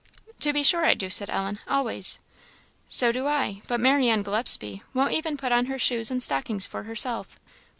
"To be sure I do," said Ellen "always." "So do I; but Marianne Gillespie won't even put on her shoes and stockings for herself."